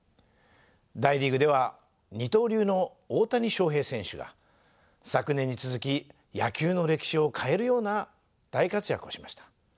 大リーグでは二刀流の大谷翔平選手が昨年に続き野球の歴史を変えるような大活躍をしました。